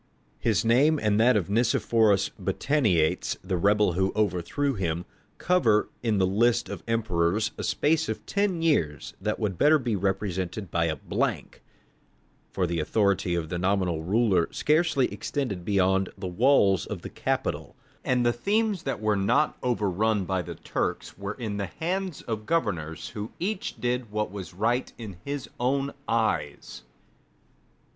His name and that of Nicephorus Botaniates, the rebel who overthrew him, cover in the list of emperors a space of ten years that would better be represented by a blank; for the authority of the nominal ruler scarcely extended beyond the walls of the capital, and the themes that were not overrun by the Turks were in the hands of governors who each did what was right in his own eyes.